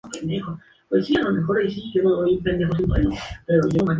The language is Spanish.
Son características las formas prismáticas y octogonales.